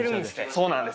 そうなんです。